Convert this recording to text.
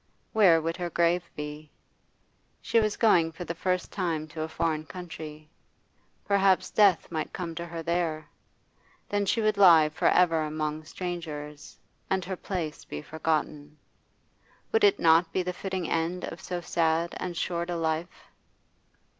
Where would her grave be? She was going for the first time to a foreign country; perhaps death might come to her there. Then she would lie for ever among strangers, and her place be forgotten. Would it not be the fitting end of so sad and short a life?